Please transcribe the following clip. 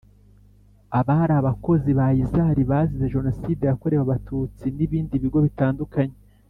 Abari abakozi ba isar bazize jenoside yakorewe abatutsi n ibindi bigo bitandukanye